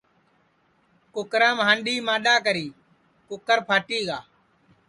کُکرام ہانڈؔی مانڈؔا کری کُکر پھٹی گا